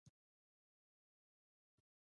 د انارو د چاودیدو مخه څنګه ونیسم؟